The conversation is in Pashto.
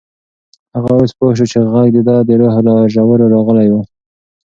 هغه اوس پوه شو چې غږ د ده د روح له ژورو راغلی و.